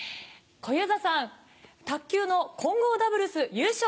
小遊三さん卓球の混合ダブルス優勝